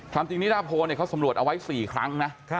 ความจริงนิดาโพเขาสำรวจเอาไว้๔ครั้งนะ